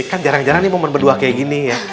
kan jarang jarang nih momen berdua kayak gini ya